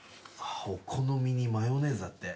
お好みにマヨネーズだって。